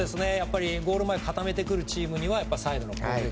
ゴール前を固めてくるチームにはサイドの攻撃。